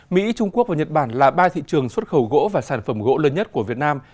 mỹ trung quốc và nhật bản là ba thị trường xuất khẩu gỗ và sản phẩm gỗ lớn nhất của việt nam